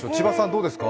どうですか？